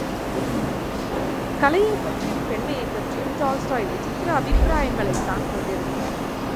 கலையைப் பற்றியும் பெண்மையைப் பற்றியும் டால்ஸ்டாய் விசித்திர அபிப்பிராயங்களைத்தான் கொண்டிருந்தார்.